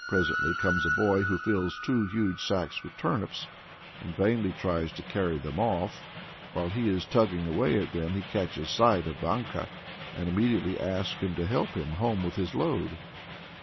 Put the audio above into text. Presently comes a boy who fills two huge sacks with turnips, and vainly tries to carry them off. While he is tugging away at them he catches sight of Vanka, and immediately asks him to help him home with his load.